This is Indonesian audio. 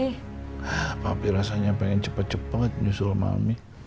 hah papi rasanya pengen cepet cepet nyusul mami